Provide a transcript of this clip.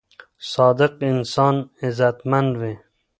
صادق انسان عزتمن وي.